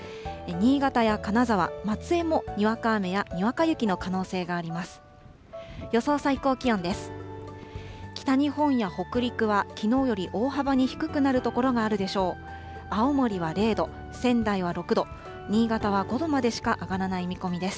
新潟や金沢、松江もにわか雨やにわか雪の可能性があります。